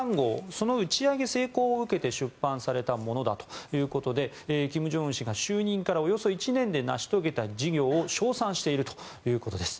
その打ち上げ成功を受けて出版されたものだということで金正恩氏が就任からおよそ１年で成し遂げた事業を称賛しているということです。